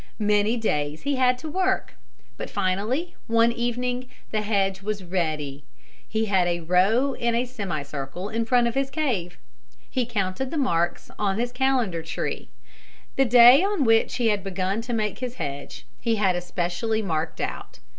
Many days he had to work, but finally one evening the hedge was ready. He had a row in a semi circle in front of his cave. He counted the marks on his calendar tree. The day on which he had begun to make his hedge he had especially marked out.